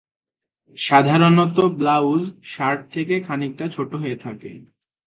সাধারণত blouse, shirt থেকে খানিকটা ছোট হয়ে থাকে।